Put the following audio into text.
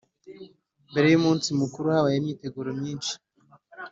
Mbere y’umunsi mukuru habaye imyiteguro myinshi